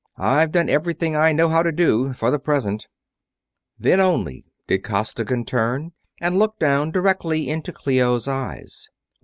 I've done everything I know how to do, for the present." Then only did Costigan turn and look down, directly into Clio's eyes.